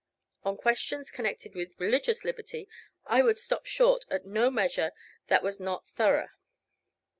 On questions connected with religious liberty I would stop short at no measure that was not thorough."